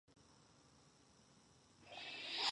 The two are not related.